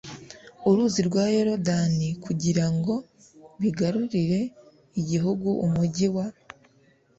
uruzi rwa Yorodani kugira ngo bigarurire igihugu Umugi wa